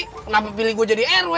kenapa pilih gue jadi rw